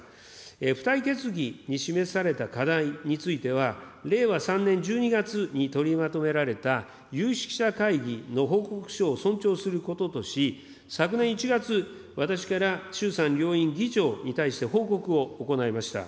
付帯決議に示された課題については、令和３年１２月に取りまとめられた有識者会議の報告書を尊重することとし、昨年１月、私から衆参両院議長に対して報告を行いました。